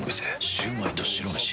シュウマイと白めし。